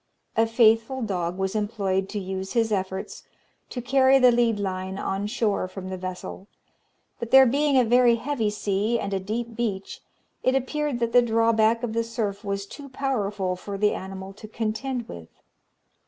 A faithful dog was employed to use his efforts to carry the lead line on shore from the vessel; but there being a very heavy sea, and a deep beach, it appeared that the drawback of the surf was too powerful for the animal to contend with.